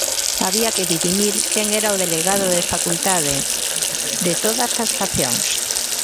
Había que dirimir quen era o delegado de Facultade, de todas as faccións.